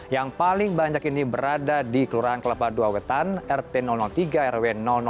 yang paling banyak ini berada di kelurahan kelapa dua wetan rt tiga rw